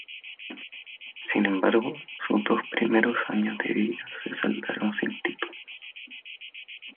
Sin embargo, sus dos primeros años de vida se saldaron sin títulos.